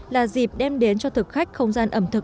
là dịp đem đến cho thực khách không gian ẩm thực